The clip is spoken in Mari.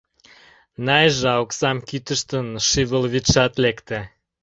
Найжа, оксам кӱтыштын, шӱвылвӱдшат лекте.